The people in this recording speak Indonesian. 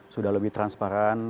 sudah lebih transparan